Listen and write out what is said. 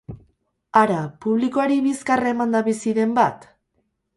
Hara, publikoari bizkarra emanda bizi den bat?